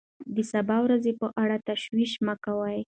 د سبا ورځې په اړه تشویش مه کوه.